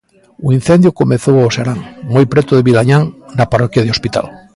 O incendio comezou ao serán, moi preto de Vilañán, na parroquia de Hospital.